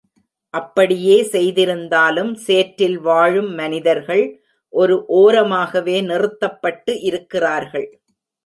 அப்படியே செய்திருந்தாலும் சேற்றில் வாழும் மனிதர்கள் ஒரு ஓரமாகவே நிறுத்தப்பட்டு இருக்கிறார்கள்.